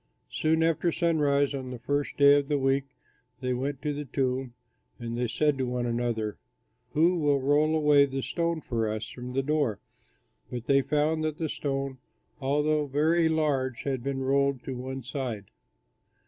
Soon after sunrise on the first day of the week they went to the tomb, and they said to one another, "Who will roll away the stone for us from the door?" But they found that the stone, although very large, had been rolled to one side.